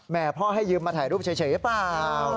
พ่อให้ยืมมาถ่ายรูปเฉยหรือเปล่า